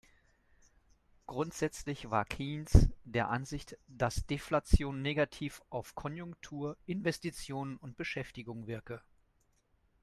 Grundsätzlich war Keynes der Ansicht, dass Deflation negativ auf Konjunktur, Investitionen und Beschäftigung wirke.